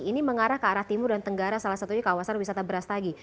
ini mengarah ke arah timur dan tenggara salah satunya kawasan wisata brastagi